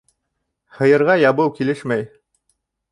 Һыйырға ябыу килешмәй.